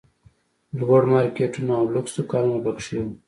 لوړ مارکېټونه او لوکس دوکانونه پکښې وو.